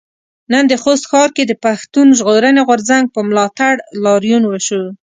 نن د خوست ښار کې د پښتون ژغورنې غورځنګ په ملاتړ لاريون وشو.